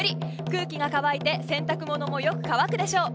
空気が乾いて洗濯物もよく乾くでしょう。